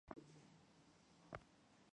也是阿帕雷西达总教区总主教。